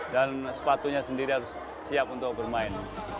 dan sepatunya sendiri harus siap untuk bermain